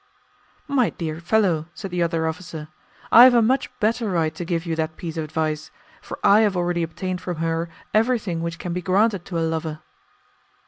"'My dear fellow,' said the other officer, 'I have a much better right to give you that piece of advice; for I have already obtained from her everything which can be granted to a lover.